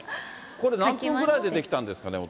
これ何分ぐらいで出来たんですかね？